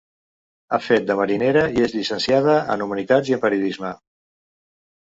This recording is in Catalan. Ha fet de marinera i és llicenciada en humanitats i en periodisme.